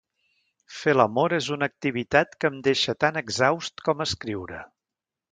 Fer l'amor és una activitat que em deixa tan exhaust com escriure.